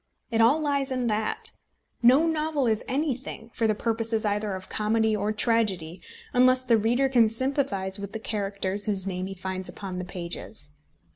It all lies in that. No novel is anything, for the purposes either of comedy or tragedy, unless the reader can sympathise with the characters whose names he finds upon the pages.